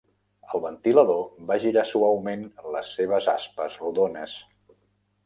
El ventilador va girar suaument les seves aspes rodones.